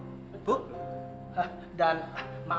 dan maaf akan terbitkulah ya pak